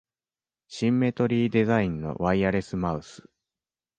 シンメトリーデザインのワイヤレスマウス